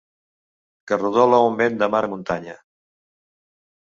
Que rodola un vent de mar a muntanya.